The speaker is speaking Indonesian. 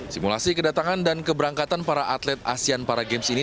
simulasi kedatangan dan keberangkatan para atlet asian paragames ini